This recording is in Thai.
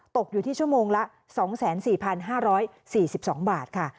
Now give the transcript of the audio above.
ตกอยู่ที่ชั่วโมงละ๒๔๕๔๒บาทค่ะ